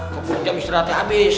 kebun jam istirahatnya abis